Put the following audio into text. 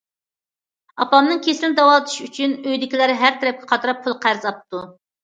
ئاپامنىڭ كېسىلىنى داۋالىتىش ئۈچۈن، ئۆيدىكىلەر ھەر تەرەپكە قاتراپ پۇل قەرز ئاپتۇ.